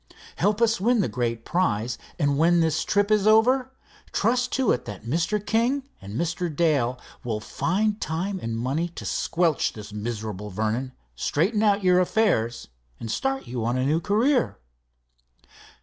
Help us win the great prize, and when this trip is over trust to it that Mr. King and Mr. Dale will find time and money to squelch this miserable Vernon, straighten out your affairs, and start you on a new career."